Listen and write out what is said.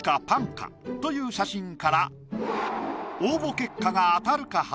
パンか？という写真から応募結果が当たるか？